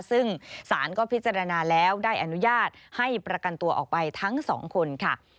ซึ่งสารก็พิจารณาแล้วได้อนุญาตให้ประกันตัวออกไปทั้งสองคนค่ะ